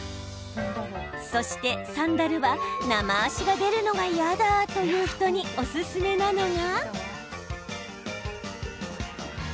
そして、サンダルはナマ足が出るのが嫌だという人に、おすすめなのが。